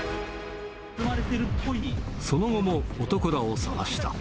その後も男らを探した。